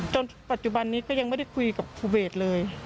จนปัจจุบันนี้ก็ยังไม่ได้คุยกับครูเวทเลย